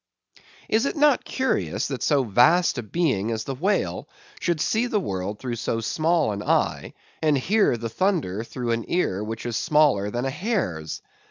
Is it not curious, that so vast a being as the whale should see the world through so small an eye, and hear the thunder through an ear which is smaller than a hare's?